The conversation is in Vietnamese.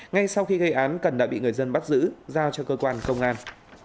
ngay sau khi gây án cần đã bị người dân bắt giữ giao cho cơ quan công an